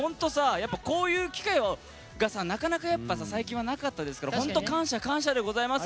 やっぱこういう機会がさなかなかやっぱさ最近はなかったですから本当感謝感謝でございます。